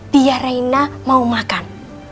biar rena mau makan